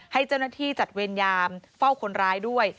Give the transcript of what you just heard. ให้เจ้าหน้าที่จัดเวรยามเฝ้าคนร้ายด้วย